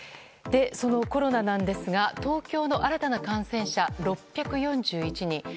そのコロナなんですが東京の新たな感染者は６４１人。